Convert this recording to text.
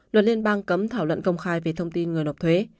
luật liên bang cấm thảo luận công khai về thông tin người nộp thuế